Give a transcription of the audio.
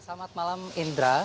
selamat malam indra